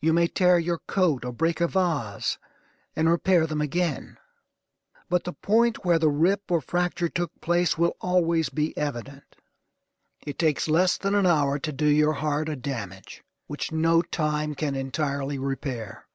You may tear your coat, or break a vase, and repair them again, but the point where the rip or fracture took place will always be evident. It takes less than an hour to do your heart a damage which no time can entirely repair.